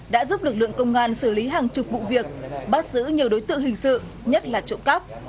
đã giúp lực lượng công an xử lý hàng chục vụ việc bắt giữ nhiều đối tượng hình sự nhất là trộm cắp